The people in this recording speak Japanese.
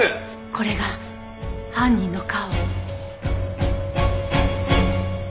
これが犯人の顔。